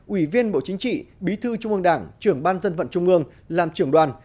ủy viên bộ chính trị bí thư trung ương đảng trưởng ban dân vận trung ương làm trưởng đoàn